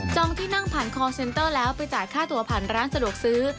ที่นั่งผ่านคอลเซนเตอร์แล้วไปจ่ายค่าตัวผ่านร้านสะดวกซื้อ